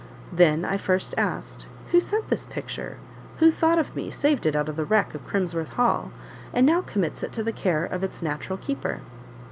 Then I first asked, "Who sent this picture? Who thought of me, saved it out of the wreck of Crimsworth Hall, and now commits it to the care of its natural keeper?"